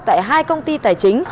tại hai công ty tài chính